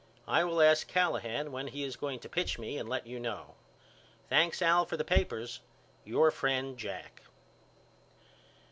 I will ask Callahan when he is going to pitch me and let you know. Thanks Al for the papers. Your friend, JACK.